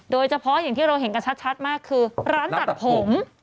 โดยเฉพาะอย่างที่เราเห็นกันชัดมากคือร้านตัดผม